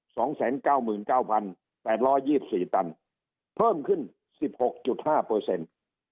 สองแสนเก้าหมื่นเก้าพันแปดร้อยยี่สิบสี่ตันเพิ่มขึ้นสิบหกจุดห้าเปอร์เซ็นต์